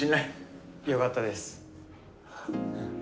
よかったです。